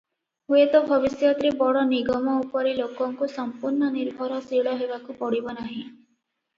ହୁଏତ ଭବିଷ୍ୟତରେ ବଡ଼ ନିଗମ ଉପରେ ଲୋକଙ୍କୁ ସମ୍ପୂର୍ଣ୍ଣ ନିର୍ଭରଶୀଳ ହେବାକୁ ପଡ଼ିବ ନାହିଁ ।